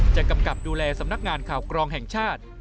กำกับดูแลสำนักงานข่าวกรองแห่งชาติ